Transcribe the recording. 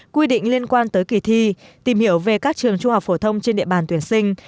quy định liên quan tới kỳ thi tìm hiểu về các trường trung học phổ thông trên địa bàn tuyển sinh